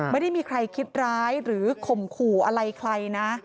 ไม่ได้มีใครคิดร้ายหรือข่มขู่อะไรใครนะ